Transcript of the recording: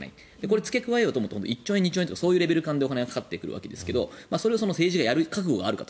付け加えようと思うと１２兆円というレベルでお金がかかってくるんですがそれを政治がやる覚悟があるかと。